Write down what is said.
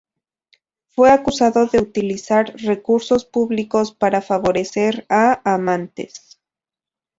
Fue acusado de utilizar recursos públicos para favorecer a amantes.